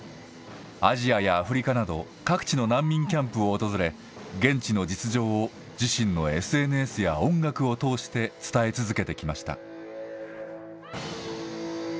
アジアやアフリカなど、各地の難民キャンプを訪れ、現地の実情を自身のＳＮＳや音楽を通して伝え続けてきました。